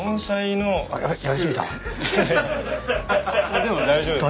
あっでも大丈夫。